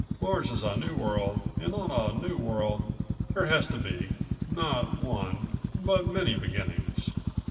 Mars is a new world and on a new world there has to be not one, but many beginnings."